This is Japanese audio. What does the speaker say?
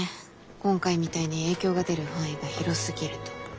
今回みたいに影響が出る範囲が広すぎると。